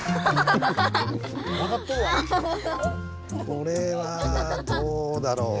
これはどうだろう？